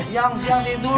yang siang tidur